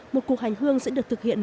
một cuộc hành hương sẽ được thực hiện